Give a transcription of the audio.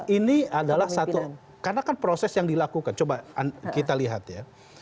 ini adalah satu karena kan proses yang dilakukan coba kita lihat ya